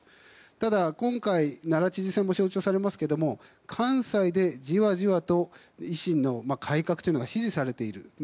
ただ、今回奈良知事選も象徴されますが関西でじわじわと維新の改革が支持されている。